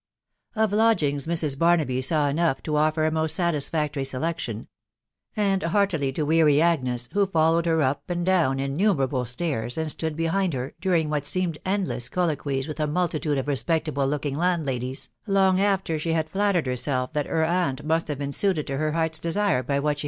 Gl> lodgings Mrs* Barnaby saw enough to offer a most satis factory selection, and; heartily to weary Agnes,, who followed hen up and dower innumerable stainay and: stood behind' her, during what seemed endless* colloquies with a< multitude of respectable looking landlacHesjlong after she had flattered her self that her aunt must have been suited to> her heart's desire by what she.